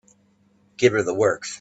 Give her the works.